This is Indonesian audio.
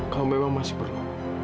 kau memang masih perlu